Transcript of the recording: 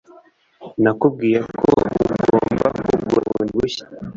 Nakubwiye ko ugomba kugura bundi bushya.